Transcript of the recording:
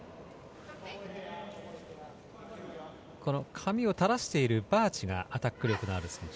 髪を垂らしているバーチがアタック力のある選手。